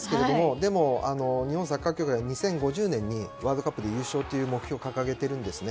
でも日本サッカー協会は２０５０年にワールドカップで優勝という目標を掲げているんですね。